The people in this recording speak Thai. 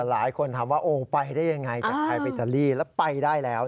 หลายคนถามว่าโอ้ไปได้ยังไงจากไทยไปอิตาลีแล้วไปได้แล้ว